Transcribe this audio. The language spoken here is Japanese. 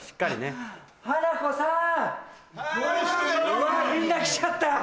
うわぁみんな来ちゃったよ。